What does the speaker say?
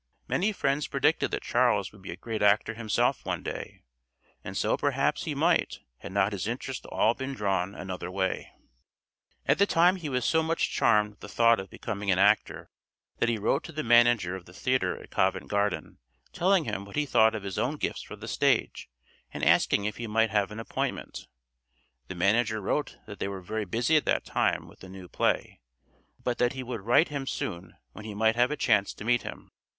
Many friends predicted that Charles would be a great actor himself some day, and so perhaps he might had not his interest all been drawn another way. [Illustration: CHARLES DICKENS AT EIGHTEEN] At the time he was so much charmed with the thought of becoming an actor that he wrote to the manager of the theatre at Covent Garden, telling him what he thought of his own gifts for the stage, and asking if he might have an appointment. The manager wrote that they were very busy at that time with a new play, but that he would write him soon when he might have a chance to meet him.